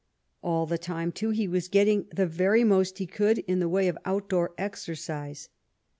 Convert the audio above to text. All the time, too, he was getting the very most he could in the way of outdoor exercise.